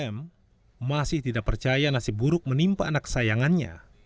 m masih tidak percaya nasib buruk menimpa anak kesayangannya